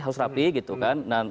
harus rapi gitu kan